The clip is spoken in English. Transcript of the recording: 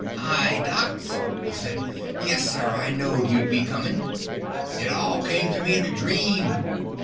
"Hi, docs," he said. "Yes, sir, I knowed you'd be coming. It all came to me in a dream.